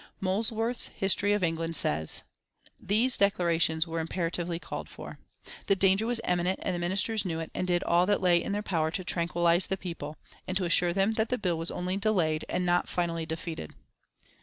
Molesworth's History of England says: These declarations were imperatively called for. The danger was imminent and the Ministers knew it and did all that lay in their power to tranquillise the people, and to assure them that the bill was only delayed and not finally defeated.